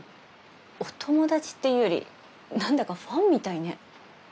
お友達っていうよりなんだかファンみたいね？